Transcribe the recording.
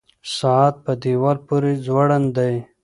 ساعت په دیوال پورې ځوړند دی.